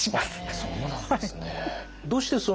そうなんですね。